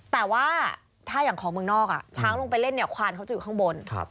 แต่ว่าถ้าอย่างของเมืองนอกช้างลงไปเล่นเนี่ยควานเขาจะอยู่ข้างบน